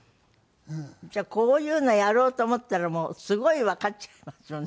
じゃあこういうのやろうと思ったらもうすごいわかっちゃいますよね。